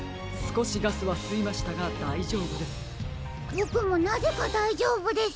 ボクもなぜかだいじょうぶです。